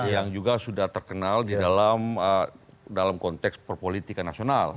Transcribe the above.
yang juga sudah terkenal di dalam konteks perpolitikan nasional